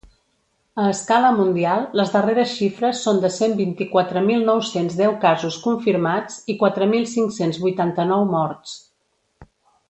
A escala mundial les darreres xifres són de cent vint-i-quatre mil nou-cents deu casos confirmats i quatre mil cinc-cents vuitanta-nou morts.